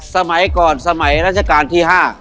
สมัยก่อนสมัยราชการที่๕